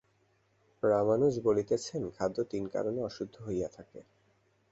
রামানুজ বলিতেছেন, খাদ্য তিন কারণে অশুদ্ধ হইয়া থাকে।